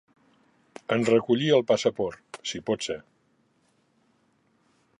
En recollir el passaport, si pot ser.